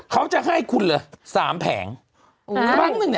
เขาจะให้ขุน๓แผง